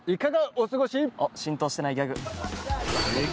おっ浸透してないギャグ